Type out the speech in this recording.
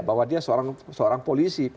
bahwa dia seorang polisi